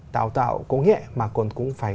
đạo tạo công nghệ mà còn cũng phải